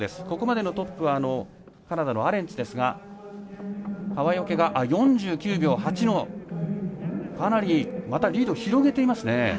ここまでのトップはカナダのアレンツですが川除が４９秒８またリードを広げていますね。